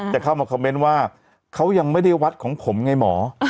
เข้ามาคอมเมนต์ว่าเขายังไม่ได้วัดของผมไงหมอ